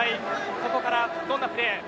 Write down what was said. ここから、どんなプレー。